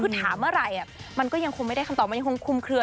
คือถามเมื่อไหร่มันก็ยังคงไม่ได้คำตอบมันยังคงคุมเคลือ